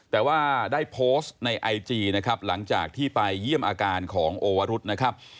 แต่ว่าได้โพสต์ในไอจีนะครับหลังจากที่ไปเยี่ยมอาการของโอวรุษนะครับ